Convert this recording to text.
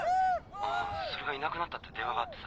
☎ああそれがいなくなったって電話があってさ。